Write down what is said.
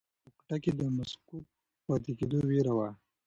په کوټه کې د مسکوت پاتې کېدو ویره وه.